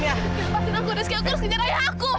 lepaskan aku rizky aku harus menyerahkan aku